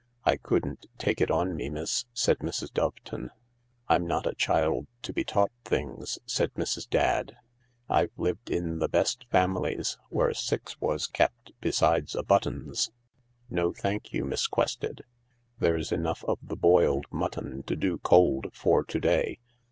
" I couldn't take it on me, miss," said Mrs. Doveton. " I'm not a child to be taught things," said Mrs. Dadd. " I've lived in the best families, where six was kept, besides a Buttons. No, thank you, Miss Quested. There's enough of the boiled mutton to do cold for to day.